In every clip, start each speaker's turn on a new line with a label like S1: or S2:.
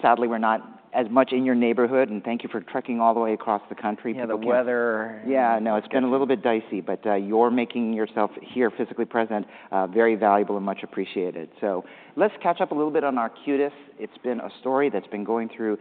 S1: Sadly, we're not as much in your neighborhood, and thank you for trekking all the way across the country for the weather.
S2: Yeah, the weather.
S1: Yeah, no, it's been a little bit dicey, but you're making yourself here physically present very valuable and much appreciated. So let's catch up a little bit on Arcutis. It's been a story that's been going through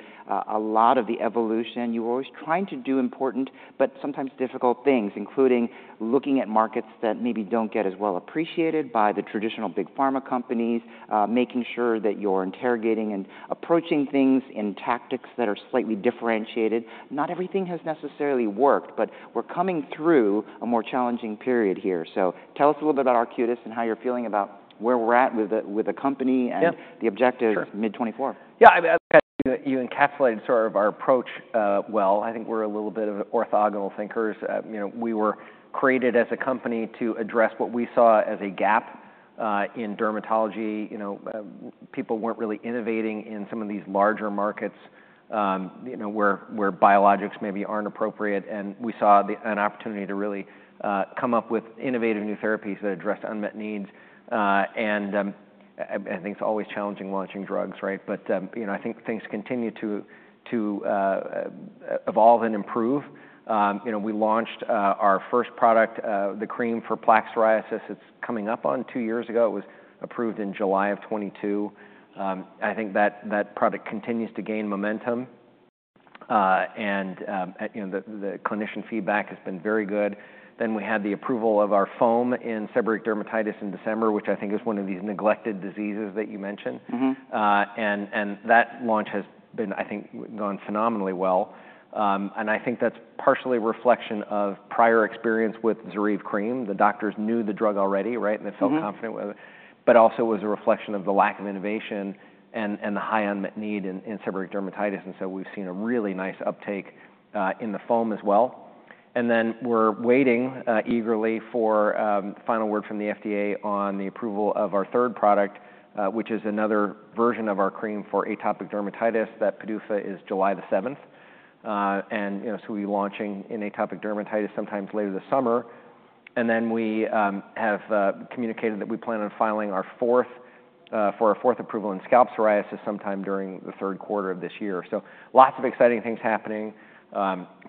S1: a lot of the evolution. You were always trying to do important, but sometimes difficult things, including looking at markets that maybe don't get as well appreciated by the traditional big pharma companies, making sure that you're interrogating and approaching things in tactics that are slightly differentiated. Not everything has necessarily worked, but we're coming through a more challenging period here. So tell us a little bit about Arcutis and how you're feeling about where we're at with the company and the objective mid-2024.
S2: Yeah, I think you encapsulated sort of our approach well. I think we're a little bit of orthogonal thinkers. You know, we were created as a company to address what we saw as a gap in dermatology. You know, people weren't really innovating in some of these larger markets, you know, where biologics maybe aren't appropriate. And we saw an opportunity to really come up with innovative new therapies that address unmet needs. And I think it's always challenging launching drugs, right? But, you know, I think things continue to evolve and improve. You know, we launched our first product, the cream for plaque psoriasis. It's coming up on two years ago. It was approved in July of 2022. I think that product continues to gain momentum. And, you know, the clinician feedback has been very good. Then we had the approval of our foam in seborrheic dermatitis in December, which I think is one of these neglected diseases that you mentioned. And that launch has been, I think, gone phenomenally well. And I think that's partially a reflection of prior experience with ZORYVE cream. The doctors knew the drug already, right? And they felt confident with it. But also it was a reflection of the lack of innovation and the high unmet need in seborrheic dermatitis. And so we've seen a really nice uptake in the foam as well. And then we're waiting eagerly for the final word from the FDA on the approval of our third product, which is another version of our cream for atopic dermatitis. That PDUFA is July the 7th. And, you know, so we'll be launching in atopic dermatitis sometime later this summer. And then we have communicated that we plan on filing for our fourth approval in scalp psoriasis sometime during the Q3 of this year. So lots of exciting things happening.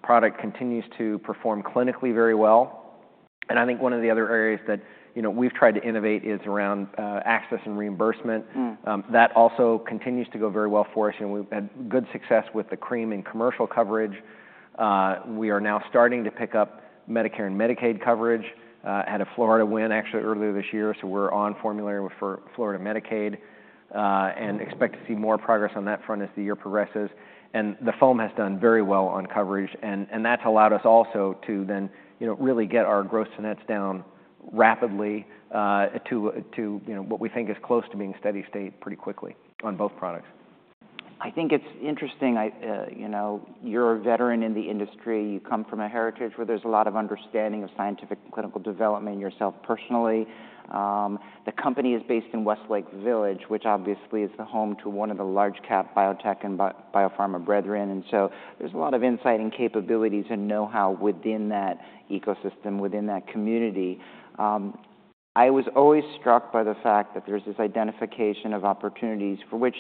S2: Product continues to perform clinically very well. And I think one of the other areas that, you know, we've tried to innovate is around access and reimbursement. That also continues to go very well for us. You know, we've had good success with the cream in commercial coverage. We are now starting to pick up Medicare and Medicaid coverage. Had a Florida win actually earlier this year. So we're on formulary for Florida Medicaid and expect to see more progress on that front as the year progresses. And the foam has done very well on coverage. That's allowed us also to then, you know, really get our gross-to-net down rapidly to, you know, what we think is close to being steady state pretty quickly on both products.
S1: I think it's interesting, you know, you're a veteran in the industry. You come from a heritage where there's a lot of understanding of scientific and clinical development yourself personally. The company is based in Westlake Village, which obviously is the home to one of the large cap biotech and biopharma brethren. And so there's a lot of insight and capabilities and know-how within that ecosystem, within that community. I was always struck by the fact that there's this identification of opportunities for which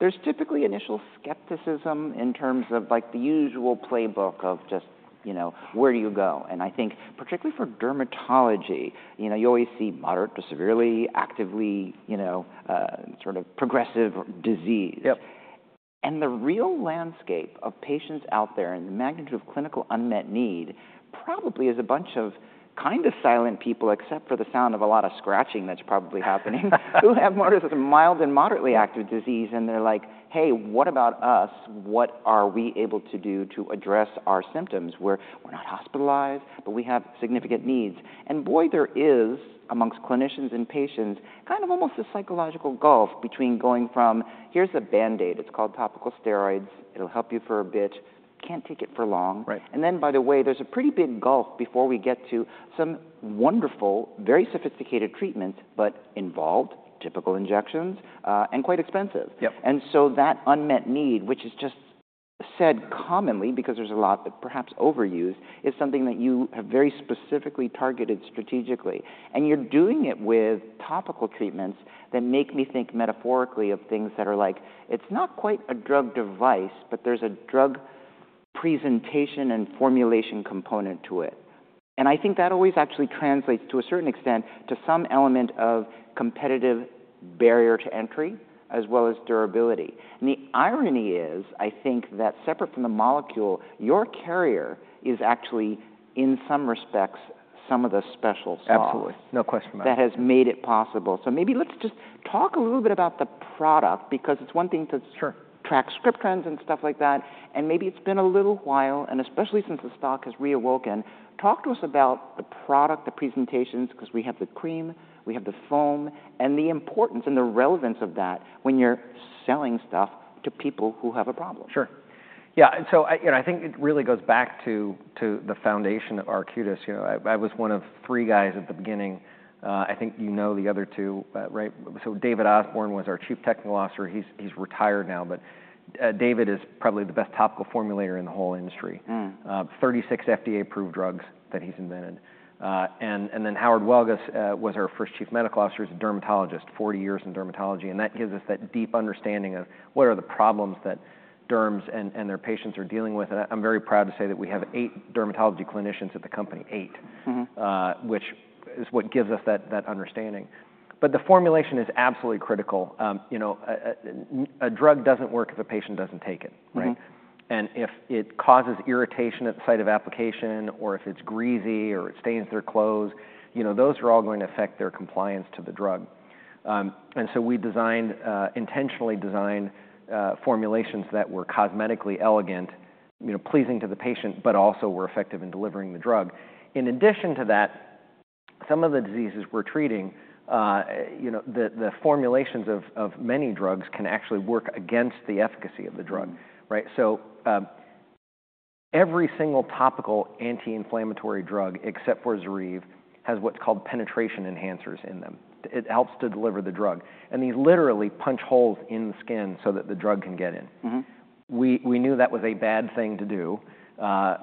S1: there's typically initial skepticism in terms of like the usual playbook of just, you know, where do you go? And I think particularly for dermatology, you know, you always see moderate to severe, actively, you know, sort of progressive disease. The real landscape of patients out there and the magnitude of clinical unmet need probably is a bunch of kind of silent people, except for the sound of a lot of scratching that's probably happening, who have more or less mild and moderately active disease. They're like, hey, what about us? What are we able to do to address our symptoms where we're not hospitalized, but we have significant needs? Boy, there is amongst clinicians and patients kind of almost a psychological gulf between going from, here's a Band-Aid. It's called topical steroids. It'll help you for a bit. Can't take it for long. Then, by the way, there's a pretty big gulf before we get to some wonderful, very sophisticated treatments, but involved typical injections and quite expensive. And so that unmet need, which is just said commonly because there's a lot that perhaps overused, is something that you have very specifically targeted strategically. And you're doing it with topical treatments that make me think metaphorically of things that are like, it's not quite a drug device, but there's a drug presentation and formulation component to it. And I think that always actually translates to a certain extent to some element of competitive barrier to entry as well as durability. And the irony is, I think that separate from the molecule, your carrier is actually in some respects some of the special sauce.
S2: Absolutely. No question about it.
S1: That has made it possible. So maybe let's just talk a little bit about the product because it's one thing to track script trends and stuff like that. And maybe it's been a little while, and especially since the stock has reawoken, talk to us about the product, the presentations, because we have the cream, we have the foam, and the importance and the relevance of that when you're selling stuff to people who have a problem.
S2: Sure. Yeah. And so, you know, I think it really goes back to the foundation of Arcutis. You know, I was one of three guys at the beginning. I think you know the other two, right? So David Osborne was our Chief Technical Officer. He's retired now, but David is probably the best topical formulator in the whole industry. 36 FDA-approved drugs that he's invented. And then Howard Welgus was our first Chief Medical Officer. He's a dermatologist, 40 years in dermatology. And that gives us that deep understanding of what are the problems that derms and their patients are dealing with. And I'm very proud to say that we have eight dermatology clinicians at the company, eight, which is what gives us that understanding. But the formulation is absolutely critical. You know, a drug doesn't work if a patient doesn't take it, right? And if it causes irritation at the site of application or if it's greasy or it stains their clothes, you know, those are all going to affect their compliance to the drug. And so we designed, intentionally designed formulations that were cosmetically elegant, you know, pleasing to the patient, but also were effective in delivering the drug. In addition to that, some of the diseases we're treating, you know, the formulations of many drugs can actually work against the efficacy of the drug, right? So every single topical anti-inflammatory drug except for ZORYVE has what's called penetration enhancers in them. It helps to deliver the drug. And these literally punch holes in the skin so that the drug can get in. We knew that was a bad thing to do,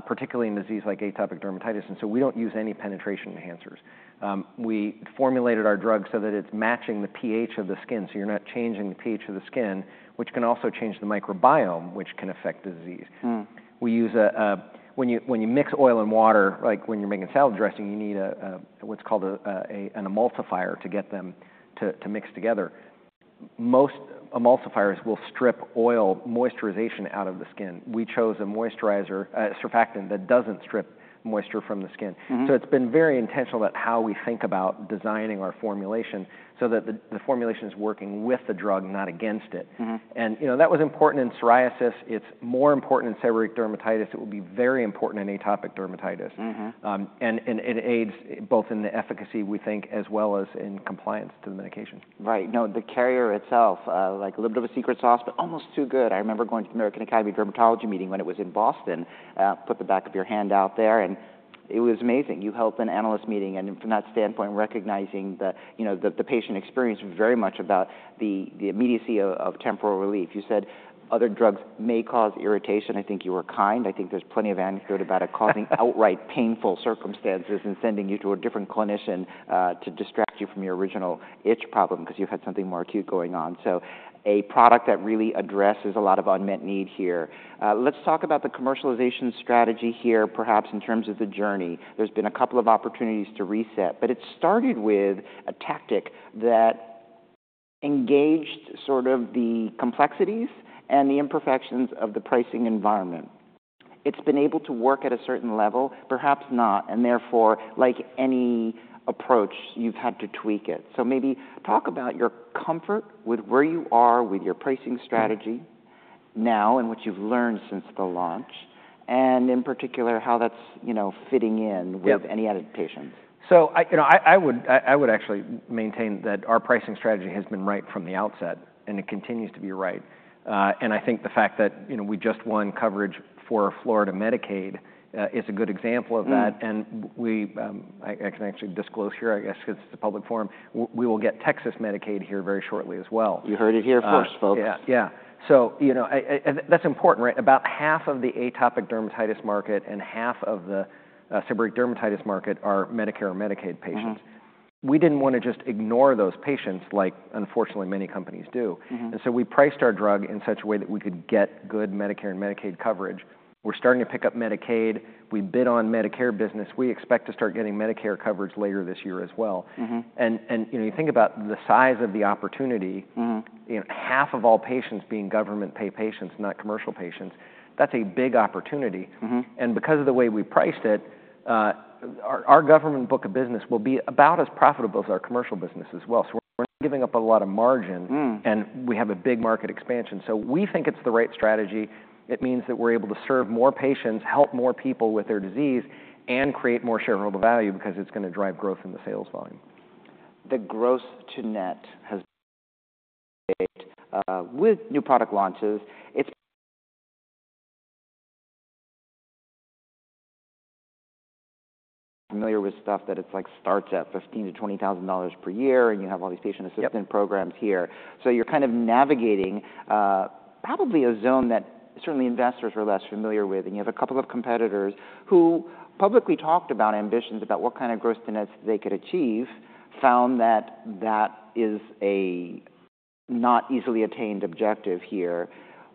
S2: particularly in disease like atopic dermatitis. And so we don't use any penetration enhancers. We formulated our drug so that it's matching the pH of the skin. So you're not changing the pH of the skin, which can also change the microbiome, which can affect disease. We use, when you mix oil and water, like when you're making salad dressing, you need what's called an emulsifier to get them to mix together. Most emulsifiers will strip oil moisturization out of the skin. We chose a moisturizer, a surfactant that doesn't strip moisture from the skin. So it's been very intentional about how we think about designing our formulation so that the formulation is working with the drug, not against it. And, you know, that was important in psoriasis. It's more important in seborrheic dermatitis. It will be very important in atopic dermatitis. And it aids both in the efficacy, we think, as well as in compliance to the medication.
S1: Right. No, the carrier itself, like a little bit of a secret sauce, but almost too good. I remember going to the American Academy of Dermatology meeting when it was in Boston, put the back of your hand out there. It was amazing. You held an analyst meeting. From that standpoint, recognizing the, you know, the patient experience very much about the immediacy of temporal relief. You said other drugs may cause irritation. I think you were kind. I think there's plenty of anecdote about it causing outright painful circumstances and sending you to a different clinician to distract you from your original itch problem because you had something more acute going on. So a product that really addresses a lot of unmet need here. Let's talk about the commercialization strategy here, perhaps in terms of the journey. There's been a couple of opportunities to reset, but it started with a tactic that engaged sort of the complexities and the imperfections of the pricing environment. It's been able to work at a certain level, perhaps not, and therefore, like any approach, you've had to tweak it. Maybe talk about your comfort with where you are with your pricing strategy now and what you've learned since the launch and in particular how that's, you know, fitting in with any adaptations.
S2: So, you know, I would actually maintain that our pricing strategy has been right from the outset and it continues to be right. And I think the fact that, you know, we just won coverage for Florida Medicaid is a good example of that. And we, I can actually disclose here, I guess, because it's a public forum, we will get Texas Medicaid here very shortly as well.
S1: You heard it here first, folks.
S2: Yeah. So, you know, that's important, right? About half of the atopic dermatitis market and half of the seborrheic dermatitis market are Medicare and Medicaid patients. We didn't want to just ignore those patients like, unfortunately, many companies do. And so we priced our drug in such a way that we could get good Medicare and Medicaid coverage. We're starting to pick up Medicaid. We bid on Medicare business. We expect to start getting Medicare coverage later this year as well. And, you know, you think about the size of the opportunity, you know, half of all patients being government pay patients, not commercial patients. That's a big opportunity. And because of the way we priced it, our government book of business will be about as profitable as our commercial business as well. So we're not giving up a lot of margin and we have a big market expansion. So we think it's the right strategy. It means that we're able to serve more patients, help more people with their disease, and create more shareholder value because it's going to drive growth in the sales volume.
S1: The gross-to-net has with new product launches. It's familiar with stuff that it's like starts at $15,000-$20,000 per year and you have all these patient assistance programs here. So you're kind of navigating probably a zone that certainly investors are less familiar with. And you have a couple of competitors who publicly talked about ambitions about what kind of gross-to-net they could achieve, found that that is a not easily attained objective here.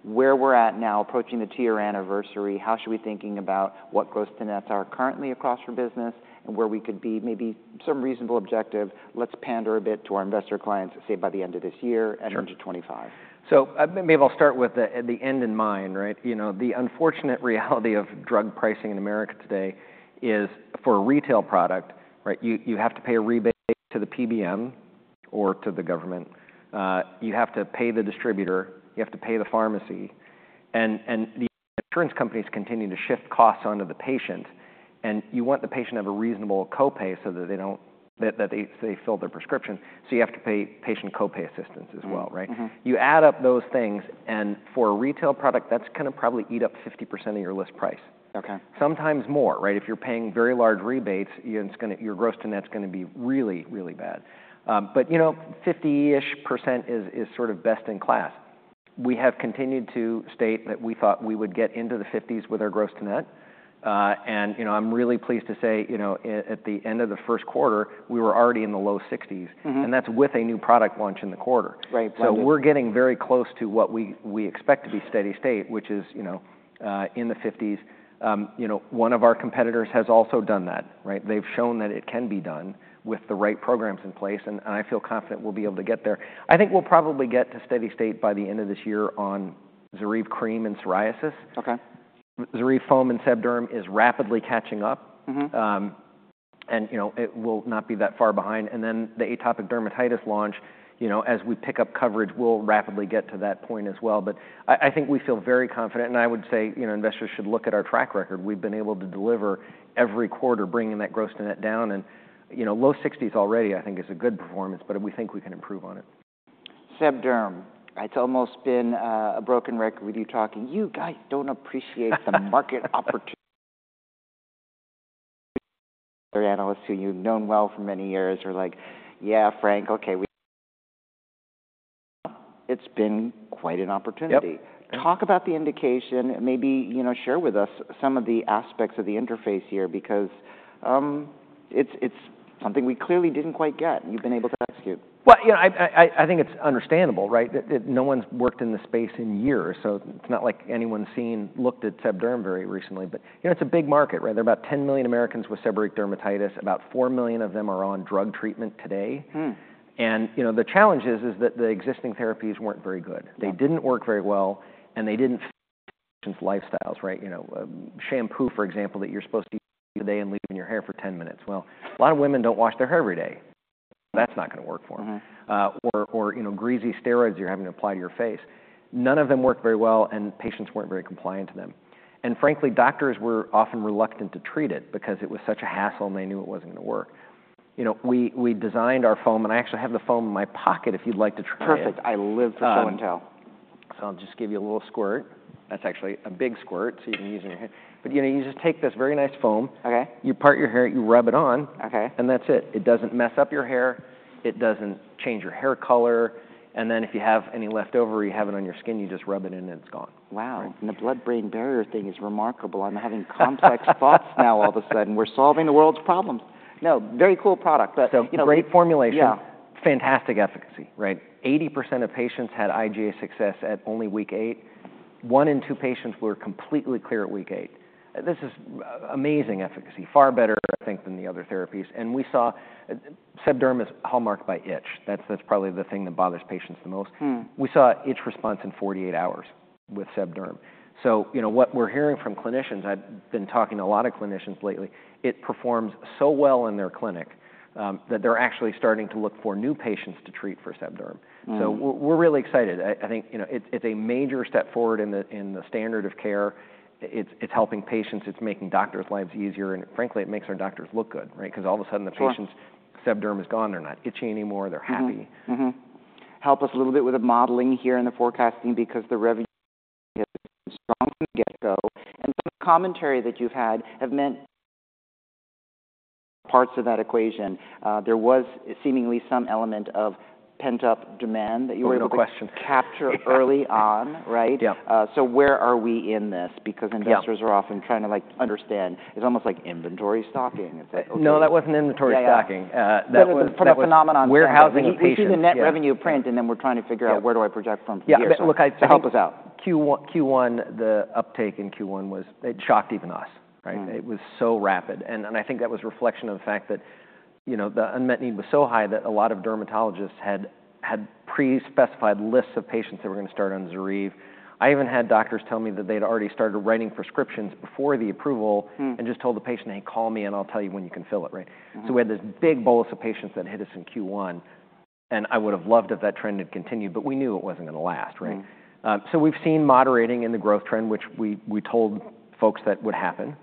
S1: Where we're at now, approaching the third anniversary, how should we think about what gross-to-net are currently across your business and where we could be maybe some reasonable objective? Let's pander a bit to our investor clients, say by the end of this year, end of 2025.
S2: So maybe I'll start with the end in mind, right? You know, the unfortunate reality of drug pricing in America today is for a retail product, right? You have to pay a rebate to the PBM or to the government. You have to pay the distributor. You have to pay the pharmacy. And the insurance companies continue to shift costs onto the patient. And you want the patient to have a reasonable copay so that they don't, that they fill their prescription. So you have to pay patient copay assistance as well, right? You add up those things. And for a retail product, that's going to probably eat up 50% of your list price. Sometimes more, right? If you're paying very large rebates, your gross to net's going to be really, really bad. But, you know, 50-ish% is sort of best in class. We have continued to state that we thought we would get into the 50s with our gross-to-net. You know, I'm really pleased to say, you know, at the end of the Q1, we were already in the low 60s. That's with a new product launch in the quarter. So we're getting very close to what we expect to be steady state, which is, you know, in the 50s. You know, one of our competitors has also done that, right? They've shown that it can be done with the right programs in place. I feel confident we'll be able to get there. I think we'll probably get to steady state by the end of this year on ZORYVE Cream and psoriasis. ZORYVE foam and sebderm is rapidly catching up. You know, it will not be that far behind. And then the atopic dermatitis launch, you know, as we pick up coverage, we'll rapidly get to that point as well. But I think we feel very confident. And I would say, you know, investors should look at our track record. We've been able to deliver every quarter, bringing that gross to net down. And, you know, low 60s already, I think is a good performance, but we think we can improve on it.
S1: sebderm, it's almost been a broken record with you talking. You guys don't appreciate the market opportunity. Analysts who you've known well for many years are like, yeah, Frank, okay. It's been quite an opportunity. Talk about the indication. Maybe, you know, share with us some of the aspects of the interface here because it's something we clearly didn't quite get. You've been able to execute.
S2: Well, you know, I think it's understandable, right? No one's worked in the space in years. So it's not like anyone's seen, looked at Sebderm very recently. But, you know, it's a big market, right? There are about 10 million Americans with seborrheic dermatitis. About 4 million of them are on drug treatment today. And, you know, the challenge is that the existing therapies weren't very good. They didn't work very well and they didn't fit patients' lifestyles, right? You know, shampoo, for example, that you're supposed to use today and leave in your hair for 10 minutes. Well, a lot of women don't wash their hair every day. That's not going to work for them. Or, you know, greasy steroids you're having to apply to your face. None of them worked very well and patients weren't very compliant to them. And frankly, doctors were often reluctant to treat it because it was such a hassle and they knew it wasn't going to work. You know, we designed our foam and I actually have the foam in my pocket if you'd like to try it.
S1: Perfect. I live for show and tell.
S2: So I'll just give you a little squirt. That's actually a big squirt so you can use it in your hair. But, you know, you just take this very nice foam. You part your hair, you rub it on and that's it. It doesn't mess up your hair. It doesn't change your hair color. And then if you have any leftover or you have it on your skin, you just rub it in and it's gone.
S1: Wow. The blood-brain barrier thing is remarkable. I'm having complex thoughts now all of a sudden. We're solving the world's problems. No, very cool product.
S2: So great formulation. Fantastic efficacy, right? 80% of patients had IGA success at only week eight. One in two patients were completely clear at week eight. This is amazing efficacy. Far better, I think, than the other therapies. And we saw Sebderm is hallmarked by itch. That's probably the thing that bothers patients the most. We saw itch response in 48 hours with Sebderm. So, you know, what we're hearing from clinicians, I've been talking to a lot of clinicians lately, it performs so well in their clinic that they're actually starting to look for new patients to treat for Sebderm. So we're really excited. I think, you know, it's a major step forward in the standard of care. It's helping patients. It's making doctors' lives easier. And frankly, it makes our doctors look good, right? Because all of a sudden the patients, Sebderm is gone. They're not itchy anymore. They're happy.
S1: Help us a little bit with the modeling here in the forecasting because the revenue has been strong from the get-go. Some commentary that you've had have meant parts of that equation. There was seemingly some element of pent-up demand that you were able to capture early on, right? Where are we in this? Because investors are often trying to like understand. It's almost like inventory stocking.
S2: No, that wasn't inventory stocking.
S1: That was a phenomenon for the net revenue print, and then we're trying to figure out where do I project from here to help us out.
S2: Q1, the uptake in Q1 was. It shocked even us, right? It was so rapid. I think that was a reflection of the fact that, you know, the unmet need was so high that a lot of dermatologists had pre-specified lists of patients that were going to start on ZORYVE. I even had doctors tell me that they'd already started writing prescriptions before the approval and just told the patient, "Hey, call me and I'll tell you when you can fill it," right? We had this big bolus of patients that hit us in Q1. I would have loved if that trend had continued, but we knew it wasn't going to last, right? We've seen moderating in the growth trend, which we told folks that would happen.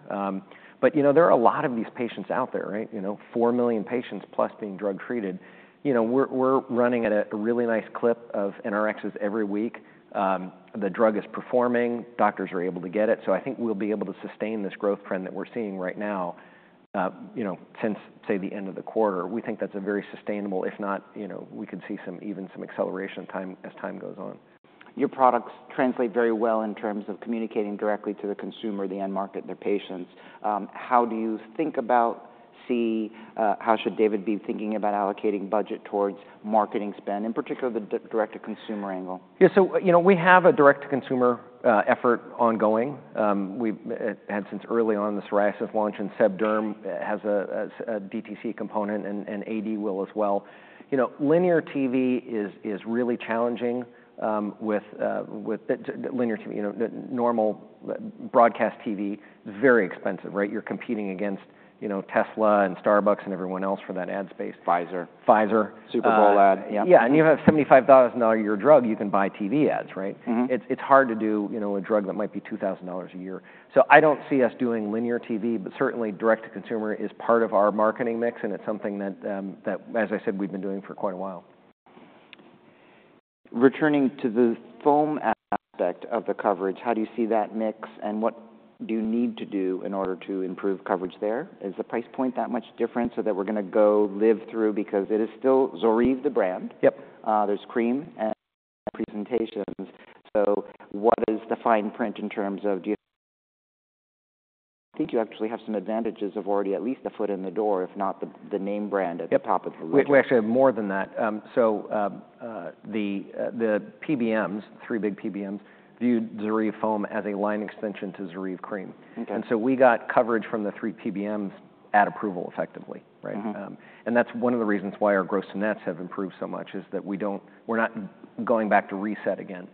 S2: But, you know, there are a lot of these patients out there, right? You know, 4 million patients plus being drug treated. You know, we're running at a really nice clip of NRxs every week. The drug is performing. Doctors are able to get it. So I think we'll be able to sustain this growth trend that we're seeing right now, you know, since, say, the end of the quarter. We think that's a very sustainable, if not, you know, we could see some even some acceleration as time goes on.
S1: Your products translate very well in terms of communicating directly to the consumer, the end market, their patients. How do you think about, see, how should David be thinking about allocating budget towards marketing spend, in particular the direct-to-consumer angle?
S2: Yeah, so, you know, we have a direct-to-consumer effort ongoing. We've had since early on the psoriasis launch and Sebderm has a DTC component and AD will as well. You know, linear TV is really challenging with linear TV. You know, normal broadcast TV is very expensive, right? You're competing against, you know, Tesla and Starbucks and everyone else for that ad space.
S1: Pfizer.
S2: Pfizer.
S1: Super Bowl ad.
S2: Yeah. And you have a $75,000 a year drug, you can buy TV ads, right? It's hard to do, you know, a drug that might be $2,000 a year. So I don't see us doing linear TV, but certainly direct-to-consumer is part of our marketing mix and it's something that, as I said, we've been doing for quite a while.
S1: Returning to the foam aspect of the coverage, how do you see that mix and what do you need to do in order to improve coverage there? Is the price point that much different so that we're going to go live through because it is still ZORYVE the brand. There's cream and presentations. So what is the fine print in terms of, do you think you actually have some advantages of already at least a foot in the door, if not the name brand at the top of the list?
S2: We actually have more than that. So the PBMs, three big PBMs, viewed ZORYVE foam as a line extension to ZORYVE cream. And so we got coverage from the three PBMs at approval effectively, right? And that's one of the reasons why our gross-to-nets have improved so much is that we don't, we're not going back to reset again.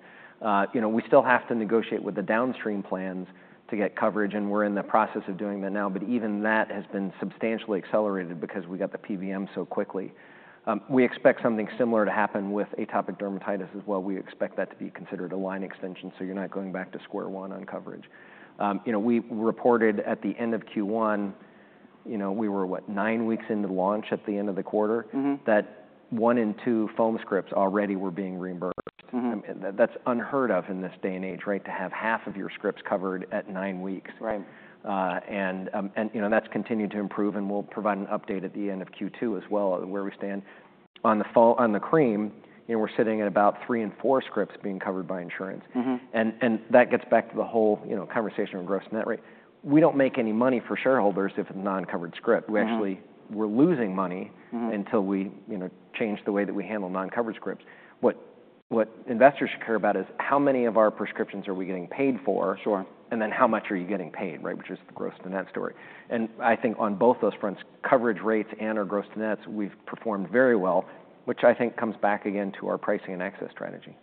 S2: You know, we still have to negotiate with the downstream plans to get coverage and we're in the process of doing that now, but even that has been substantially accelerated because we got the PBM so quickly. We expect something similar to happen with atopic dermatitis as well. We expect that to be considered a line extension so you're not going back to square one on coverage. You know, we reported at the end of Q1, you know, we were what, 9 weeks into launch at the end of the quarter, that one in two foam scripts already were being reimbursed. That's unheard of in this day and age, right? To have half of your scripts covered at 9 weeks. And, you know, that's continued to improve and we'll provide an update at the end of Q2 as well where we stand. On the cream, you know, we're sitting at about 30 and 40 scripts being covered by insurance. And that gets back to the whole, you know, conversation on gross-to-net, right? We don't make any money for shareholders if it's a non-covered script. We actually were losing money until we, you know, changed the way that we handle non-covered scripts. What investors should care about is how many of our prescriptions are we getting paid for and then how much are you getting paid, right? Which is the gross-to-net story. I think on both those fronts, coverage rates and our gross-to-nets, we've performed very well, which I think comes back again to our pricing and access strategy.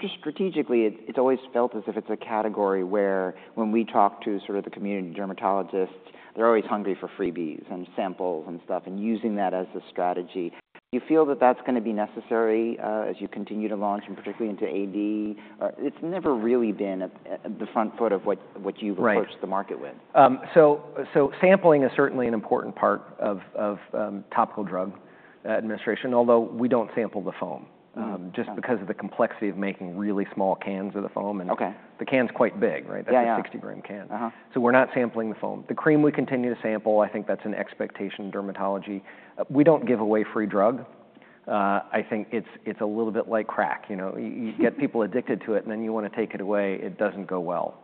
S1: Just strategically, it's always felt as if it's a category where when we talk to sort of the community dermatologists, they're always hungry for freebies and samples and stuff and using that as a strategy. Do you feel that that's going to be necessary as you continue to launch and particularly into AD? It's never really been at the front foot of what you've approached the market with.
S2: So sampling is certainly an important part of topical drug administration, although we don't sample the foam just because of the complexity of making really small cans of the foam. And the can's quite big, right? That's a 60-gram can. So we're not sampling the foam. The cream we continue to sample, I think that's an expectation in dermatology. We don't give away free drug. I think it's a little bit like crack. You know, you get people addicted to it and then you want to take it away. It doesn't go well.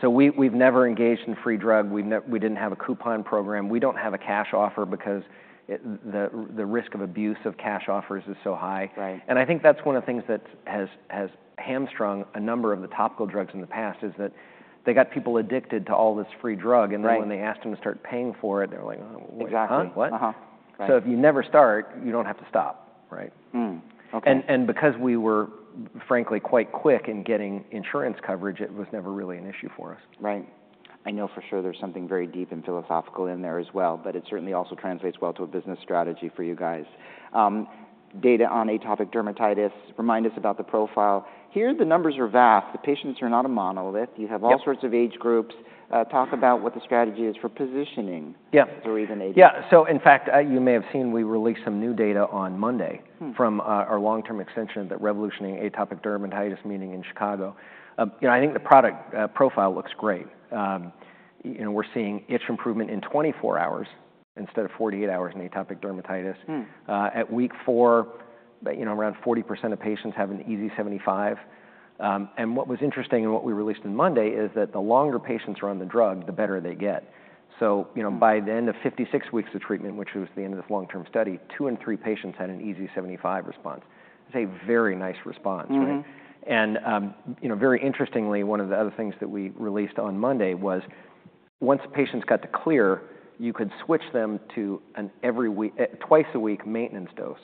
S2: So we've never engaged in free drug. We didn't have a coupon program. We don't have a cash offer because the risk of abuse of cash offers is so high. And I think that's one of the things that has hamstrung a number of the topical drugs in the past is that they got people addicted to all this free drug. And then when they asked them to start paying for it, they were like, "What?" So if you never start, you don't have to stop, right? And because we were frankly quite quick in getting insurance coverage, it was never really an issue for us.
S1: Right. I know for sure there's something very deep and philosophical in there as well, but it certainly also translates well to a business strategy for you guys. Data on atopic dermatitis, remind us about the profile. Here, the numbers are vast. The patients are not a monolith. You have all sorts of age groups. Talk about what the strategy is for positioning through even aging.
S2: Yeah. So in fact, you may have seen we released some new data on Monday from our long-term extension of the Revolution AD meeting in Chicago. You know, I think the product profile looks great. You know, we're seeing itch improvement in 24 hours instead of 48 hours in atopic dermatitis. At week 4, you know, around 40% of patients have an EASI-75. And what was interesting and what we released on Monday is that the longer patients are on the drug, the better they get. So, you know, by the end of 56 weeks of treatment, which was the end of this long-term study, two in three patients had an EASI-75 response. It's a very nice response, right? You know, very interestingly, one of the other things that we released on Monday was once patients got to clear, you could switch them to an every week, twice a week maintenance dose.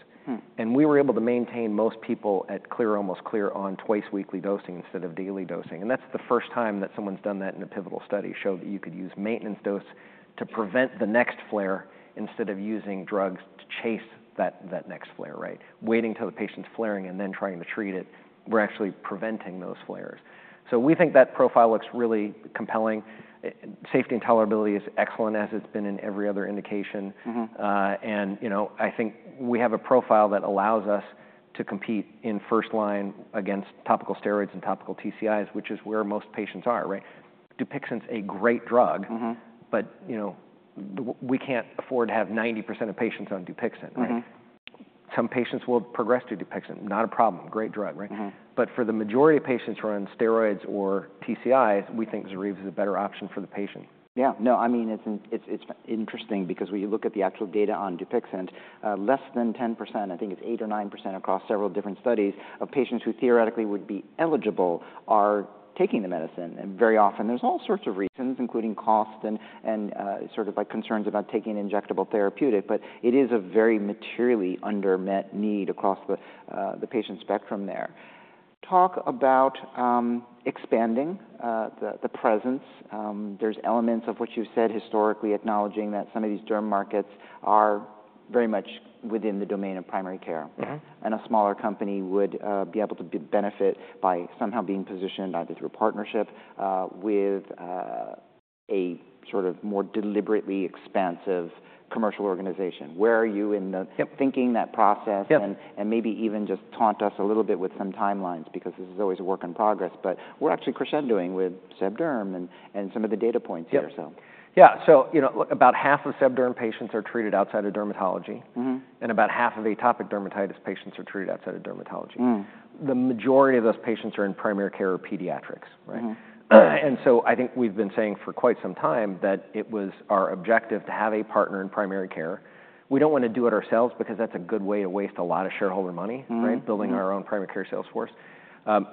S2: We were able to maintain most people at clear, almost clear on twice weekly dosing instead of daily dosing. That's the first time that someone's done that in a pivotal study showed that you could use maintenance dose to prevent the next flare instead of using drugs to chase that next flare, right? Waiting until the patient's flaring and then trying to treat it, we're actually preventing those flares. We think that profile looks really compelling. Safety and tolerability is excellent as it's been in every other indication. You know, I think we have a profile that allows us to compete in first line against topical steroids and topical TCIs, which is where most patients are, right? DUPIXENT's a great drug, but, you know, we can't afford to have 90% of patients on DUPIXENT, right? Some patients will progress to Dupixent. Not a problem. Great drug, right? But for the majority of patients who are on steroids or TCIs, we think ZORYVE is a better option for the patient.
S1: Yeah. No, I mean, it's interesting because when you look at the actual data on DUPIXENT, less than 10%, I think it's 8% or 9% across several different studies of patients who theoretically would be eligible are taking the medicine. And very often there's all sorts of reasons, including cost and sort of like concerns about taking injectable therapeutic, but it is a very materially unmet need across the patient spectrum there. Talk about expanding the presence. There's elements of what you've said historically acknowledging that some of these derm markets are very much within the domain of primary care. And a smaller company would be able to benefit by somehow being positioned either through partnership with a sort of more deliberately expansive commercial organization. Where are you in thinking that process, and maybe even just taunt us a little bit with some timelines because this is always a work in progress, but we're actually crescendoing with Sebderm and some of the data points here, so.
S2: Yeah. So, you know, about half of Sebderm patients are treated outside of dermatology and about half of atopic dermatitis patients are treated outside of dermatology. The majority of those patients are in primary care or pediatrics, right? And so I think we've been saying for quite some time that it was our objective to have a partner in primary care. We don't want to do it ourselves because that's a good way to waste a lot of shareholder money, right? Building our own primary care salesforce.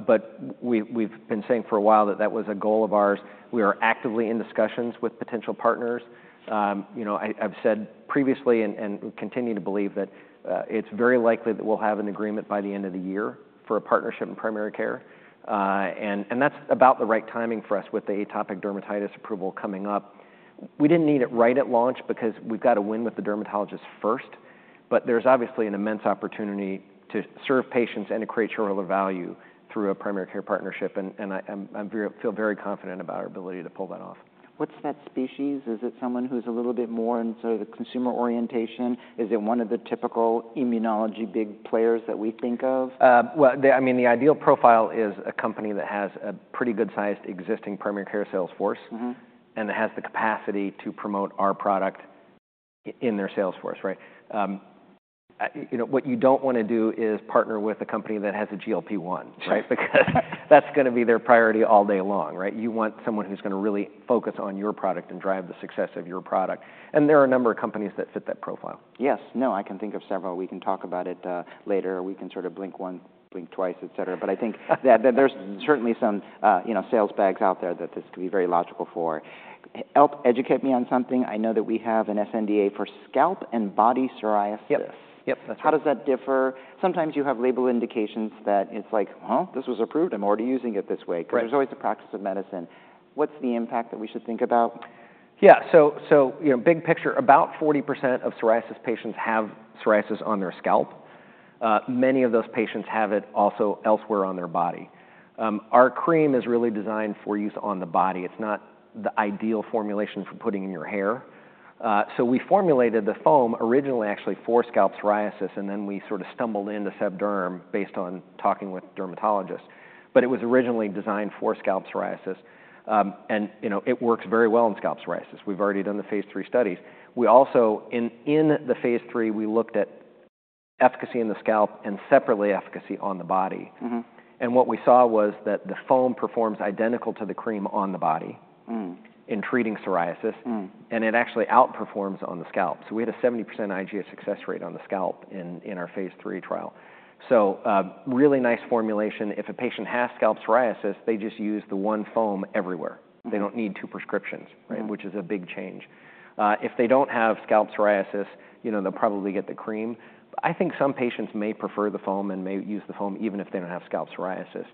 S2: But we've been saying for a while that that was a goal of ours. We are actively in discussions with potential partners. You know, I've said previously and continue to believe that it's very likely that we'll have an agreement by the end of the year for a partnership in primary care. That's about the right timing for us with the atopic dermatitis approval coming up. We didn't need it right at launch because we've got to win with the dermatologists first, but there's obviously an immense opportunity to serve patients and to create shareholder value through a primary care partnership. I feel very confident about our ability to pull that off.
S1: What's that species? Is it someone who's a little bit more in sort of the consumer orientation? Is it one of the typical immunology big players that we think of?
S2: Well, I mean, the ideal profile is a company that has a pretty good-sized existing primary care salesforce and that has the capacity to promote our product in their salesforce, right? You know, what you don't want to do is partner with a company that has a GLP-1, right? Because that's going to be their priority all day long, right? You want someone who's going to really focus on your product and drive the success of your product. There are a number of companies that fit that profile.
S1: Yes. No, I can think of several. We can talk about it later. We can sort of blink one, blink twice, etc. But I think that there's certainly some, you know, sales bags out there that this could be very logical for. Help educate me on something. I know that we have an sNDA for scalp and body psoriasis. How does that differ? Sometimes you have label indications that it's like, well, this was approved. I'm already using it this way because there's always the practice of medicine. What's the impact that we should think about?
S2: Yeah. So, you know, big picture, about 40% of psoriasis patients have psoriasis on their scalp. Many of those patients have it also elsewhere on their body. Our cream is really designed for use on the body. It's not the ideal formulation for putting in your hair. So we formulated the foam originally actually for scalp psoriasis, and then we sort of stumbled into Sebderm based on talking with dermatologists. But it was originally designed for scalp psoriasis. And, you know, it works very well in scalp psoriasis. We've already done the phase 3 studies. We also, in the phase 3, we looked at efficacy in the scalp and separately efficacy on the body. And what we saw was that the foam performs identical to the cream on the body in treating psoriasis, and it actually outperforms on the scalp. So we had a 70% IGA success rate on the scalp in our phase 3 trial. So really nice formulation. If a patient has scalp psoriasis, they just use the one foam everywhere. They don't need two prescriptions, right? Which is a big change. If they don't have scalp psoriasis, you know, they'll probably get the cream. I think some patients may prefer the foam and may use the foam even if they don't have scalp psoriasis.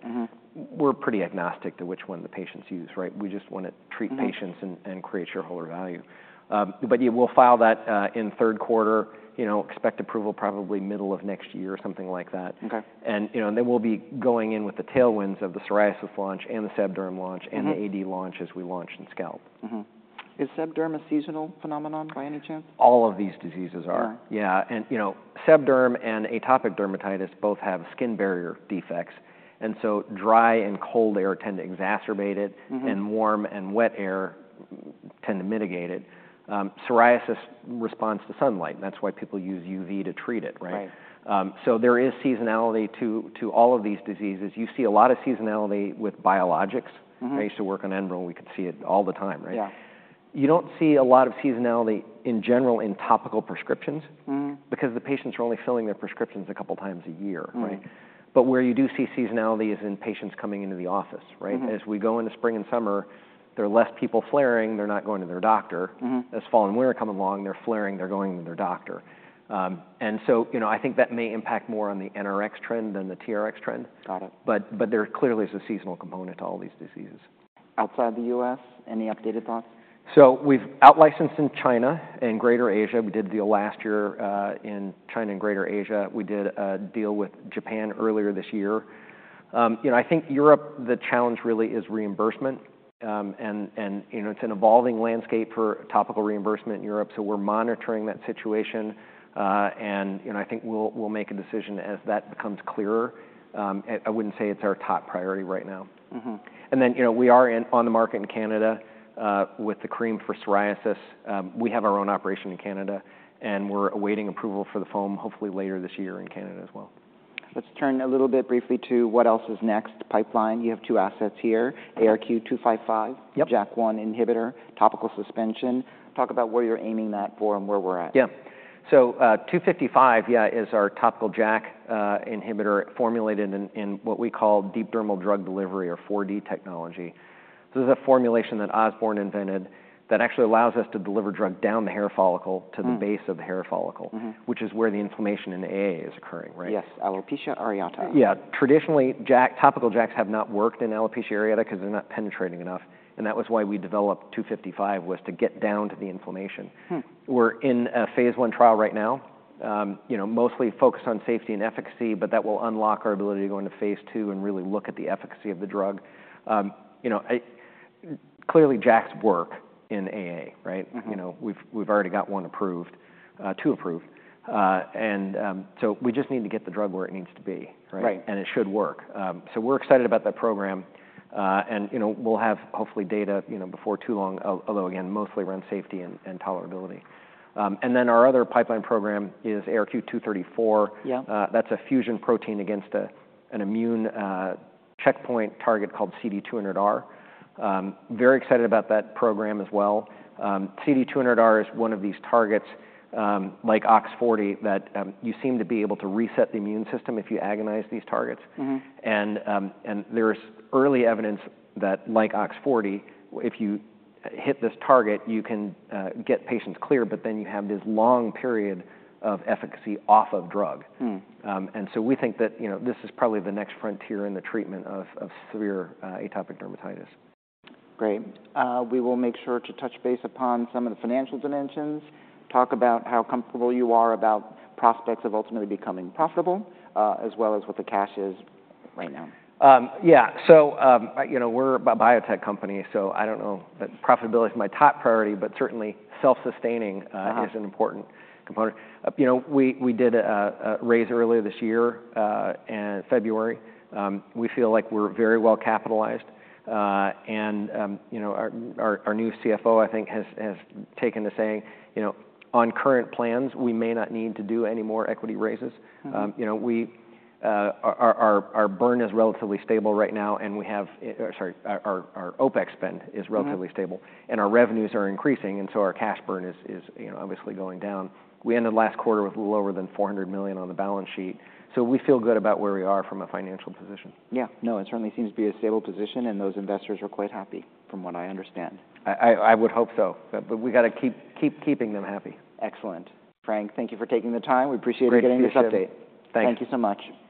S2: We're pretty agnostic to which one the patients use, right? We just want to treat patients and create shareholder value. But yeah, we'll file that in Q3, you know, expect approval probably middle of next year or something like that. And, you know, then we'll be going in with the tailwinds of the psoriasis launch and the Sebderm launch and the AD launch as we launch in scalp.
S1: Is Sebderm a seasonal phenomenon by any chance?
S2: All of these diseases are. Yeah. And, you know, Sebderm and atopic dermatitis both have skin barrier defects. And so dry and cold air tend to exacerbate it, and warm and wet air tend to mitigate it. Psoriasis responds to sunlight. That's why people use UV to treat it, right? So there is seasonality to all of these diseases. You see a lot of seasonality with biologics. I used to work on Enbrel. We could see it all the time, right? You don't see a lot of seasonality in general in topical prescriptions because the patients are only filling their prescriptions a couple of times a year, right? But where you do see seasonality is in patients coming into the office, right? As we go into spring and summer, there are less people flaring. They're not going to their doctor. As fall and winter come along, they're flaring. They're going to their doctor. And so, you know, I think that may impact more on the NRX trend than the TRx trend. But there clearly is a seasonal component to all these diseases.
S1: Outside the U.S., any updated thoughts?
S2: So we've outlicensed in China and Greater Asia. We did a deal last year in China and Greater Asia. We did a deal with Japan earlier this year. You know, I think Europe, the challenge really is reimbursement. You know, it's an evolving landscape for topical reimbursement in Europe. So we're monitoring that situation. You know, I think we'll make a decision as that becomes clearer. I wouldn't say it's our top priority right now. And then, you know, we are on the market in Canada with the cream for psoriasis. We have our own operation in Canada, and we're awaiting approval for the foam hopefully later this year in Canada as well.
S1: Let's turn a little bit briefly to what else is next pipeline. You have two assets here, ARQ-255, JAK1 inhibitor, topical suspension. Talk about where you're aiming that for and where we're at.
S2: Yeah. So 255, yeah, is our topical JAK inhibitor formulated in what we call deep dermal drug delivery or 4D technology. This is a formulation that Osborne invented that actually allows us to deliver drug down the hair follicle to the base of the hair follicle, which is where the inflammation in the AA is occurring, right?
S1: Yes. Alopecia areata.
S2: Yeah. Traditionally, JAK, topical JAKs have not worked in alopecia areata because they're not penetrating enough. That was why we developed 255 was to get down to the inflammation. We're in a phase 1 trial right now, you know, mostly focused on safety and efficacy, but that will unlock our ability to go into phase 2 and really look at the efficacy of the drug. You know, clearly JAKs work in AA, right? You know, we've already got 1 approved, 2 approved. So we just need to get the drug where it needs to be, right? And it should work. So we're excited about that program. And, you know, we'll have hopefully data, you know, before too long, although again, mostly around safety and tolerability. And then our other pipeline program is ARQ-234. That's a fusion protein against an immune checkpoint target called CD200R. Very excited about that program as well. CD200R is one of these targets like OX40 that you seem to be able to reset the immune system if you agonize these targets. And there's early evidence that like OX40, if you hit this target, you can get patients clear, but then you have this long period of efficacy off of drug. And so we think that, you know, this is probably the next frontier in the treatment of severe atopic dermatitis.
S1: Great. We will make sure to touch base upon some of the financial dimensions. Talk about how comfortable you are about prospects of ultimately becoming profitable as well as what the cash is right now.
S2: Yeah. So, you know, we're a biotech company. So I don't know that profitability is my top priority, but certainly self-sustaining is an important component. You know, we did a raise earlier this year in February. We feel like we're very well capitalized. And, you know, our new CFO, I think, has taken to saying, you know, on current plans, we may not need to do any more equity raises. You know, our burn is relatively stable right now, and we have, sorry, our OPEX spend is relatively stable. And our revenues are increasing, and so our cash burn is, you know, obviously going down. We ended last quarter with lower than $400 million on the balance sheet. So we feel good about where we are from a financial position.
S1: Yeah. No, it certainly seems to be a stable position, and those investors are quite happy from what I understand.
S2: I would hope so, but we got to keep keeping them happy.
S1: Excellent. Frank, thank you for taking the time. We appreciate it getting this update.
S2: Thanks.
S1: Thank you so much.